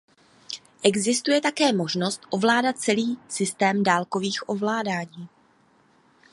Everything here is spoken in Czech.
Existuje také možnost ovládat celý systém dálkovým ovládáním.